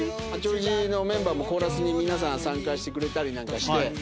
八王子のメンバーもコーラスに皆さん参加してくれたりなんかして。